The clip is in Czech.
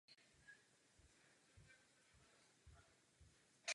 Jednoduše platí, že ženy nemohou dělat vše.